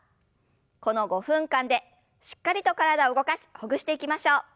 この５分間でしっかりと体を動かしほぐしていきましょう。